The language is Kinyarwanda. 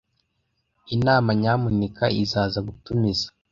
Inama nyamuneka izaza gutumiza?